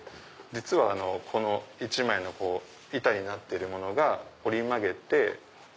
この一枚の板になってるものが折り曲げて。